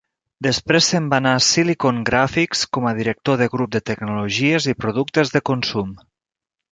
Després se'n va anar a Silicon Graphics com a director de grup de tecnologies i productes de consum.